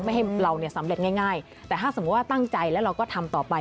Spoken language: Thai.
ให้เราเนี่ยสำเร็จง่ายแต่ถ้าสมมุติว่าตั้งใจแล้วเราก็ทำต่อไป